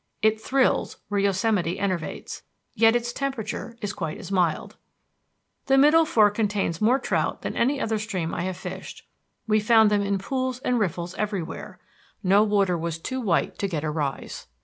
It thrills where Yosemite enervates. Yet its temperature is quite as mild. The Middle Fork contains more trout than any other stream I have fished. We found them in pools and riffles everywhere; no water was too white to get a rise.